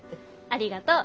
ありがとう！